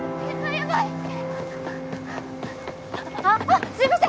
やばいあっすいません！